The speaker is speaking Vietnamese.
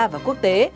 và quốc tế